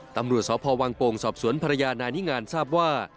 ตำรวจสพวังโป่งสอบสวนภรรยานายนิงานทราบว่า